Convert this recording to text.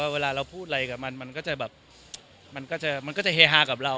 เวลาเราพูดอะไรกับมันมันก็จะเฮฮากับเรา